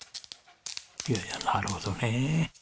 いやいやなるほどね。